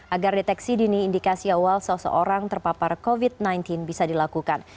agar deteksi dini indikasi awal seseorang terpapar covid sembilan belas bisa dilakukan